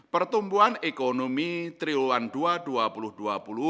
pertumbuhan ekonomi triluan ii dua ribu dua puluh